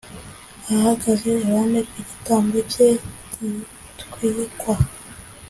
ahagaze iruhande rw’igitambo cye gitwikwa.